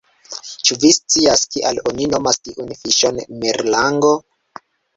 Ĉu vi scias kial oni nomas tiun fiŝon merlango?